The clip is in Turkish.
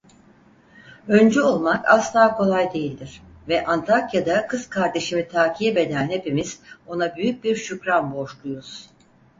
Öncü olmak asla kolay değildir ve Antakya'da kız kardeşimi takip eden hepimiz ona büyük bir şükran borçluyuz.